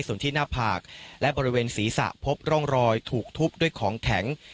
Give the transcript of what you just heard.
ส่วนที่หน้าผากและบริเวณศีรษะพบร่องรอยถูกทุบด้วยของแข็ง